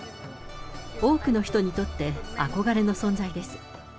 多くの人にとって憧れの存在です。